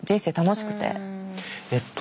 えっと